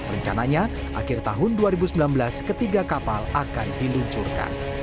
rencananya akhir tahun dua ribu sembilan belas ketiga kapal akan diluncurkan